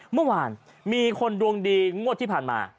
เมื่อวานมีคนดวงดีงวดที่ผ่านมา